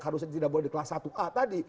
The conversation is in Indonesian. harusnya tidak boleh di kelas satu a tadi